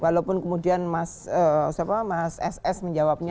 walaupun kemudian mas ss menjawabnya